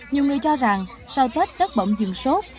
nhiều người cho rằng sau tết đất bỗng dừng sốt